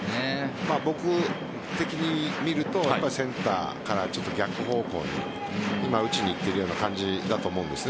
僕的に見るとセンターから逆方向に今、打ちにいっているような感じだと思うんです。